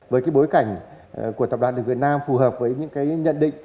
với bối cảnh của tập đoàn điện việt nam phù hợp với những nhận định